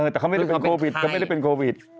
แต่เขาไม่ได้เป็นโควิด